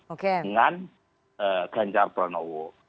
oke dengan ganjar pranowo dan jar pranowo